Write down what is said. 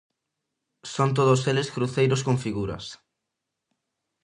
Son todos eles cruceiros con figuras.